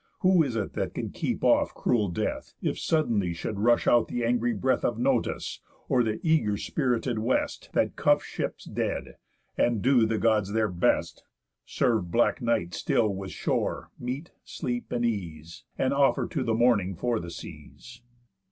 Who is it that can keep off cruel Death, If suddenly should rush out th' angry breath Of Notus, or the eager spirited West, That cuff ships dead, and do the Gods their best? Serve black Night still with shore, meat, sleep, and ease, And offer to the Morning for the seas.